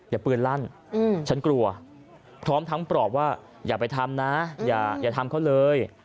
อย่าปืนลั่นฉันกลัวพร้อมทั้งปลอบว่าอย่าไปทำนะอย่าทำเขาเลย